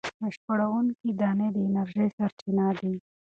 بشپړوونکې دانې د انرژۍ سرچینه دي.